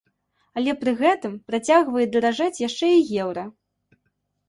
Але пры гэтым працягвае даражэць яшчэ і еўра!